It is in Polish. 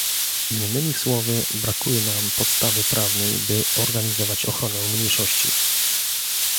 Innymi słowy, brakuje nam podstawy prawnej, by organizować ochronę mniejszości